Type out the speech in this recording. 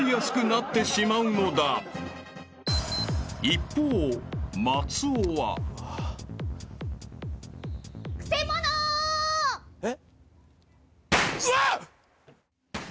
［一方松尾は］えっ？うわ！？